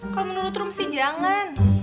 kalau menurut lo mesti jangan